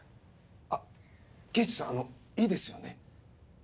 あっ刑事さんあのいいですよね？